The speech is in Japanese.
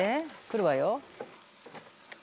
来るわよ。